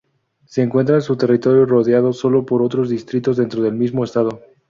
Se encuentra su territorio rodeado sólo por otros distritos dentro del mismo estado.